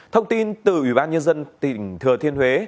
thông tin từ ủy ban nhân dân tỉnh thừa thiên huế